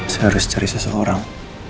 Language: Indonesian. saya harus cari seseorang